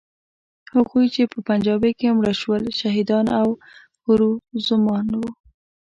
هغوی چې په پنجابۍ کې مړه شول، شهیدان او د حورو زومان وو.